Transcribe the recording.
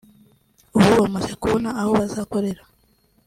ubu bamaze kubona aho bazakorera